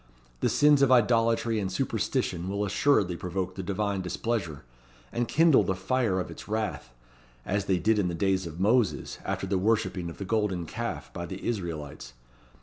The sins of idolatry and superstition will assuredly provoke the Divine displeasure, and kindle the fire of its wrath, as they did in the days of Moses, after the worshipping of the Golden Calf by the Israelites.